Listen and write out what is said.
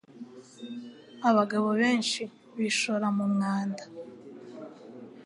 abagabo benshi bishora mu mwanda